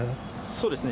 そうですね。